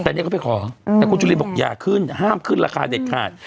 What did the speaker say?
แต่เนี่ยเขาไปขอแต่คุณจุลินบอกอย่าขึ้นห้ามขึ้นราคาเด็ดขาด